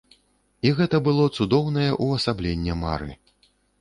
І гэта было цудоўнае ўвасабленне мары!